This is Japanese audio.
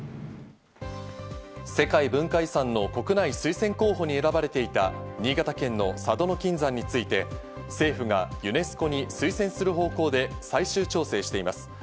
世界文化遺産の国内推薦候補に選ばれていた新潟県の佐渡島の金山について、政府がユネスコに推薦する方向で最終調整しています。